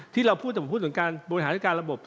ที่เราพูดบริหารทิการระบบ